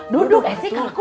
duduk esy kalau aku